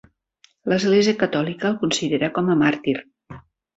L'església catòlica el considera com a màrtir.